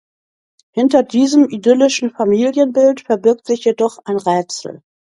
Hinter diesem idyllischen Familienbild verbirgt sich jedoch ein Rätsel.